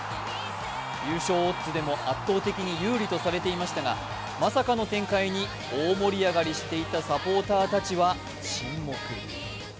優勝オッズでも圧倒的に有利とされていましたがまさかの展開に大盛り上がりしていたサポーターたちは沈黙。